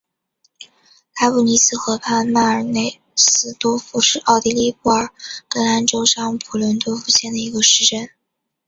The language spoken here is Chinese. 拉布尼茨河畔曼内尔斯多夫是奥地利布尔根兰州上普伦多夫县的一个市镇。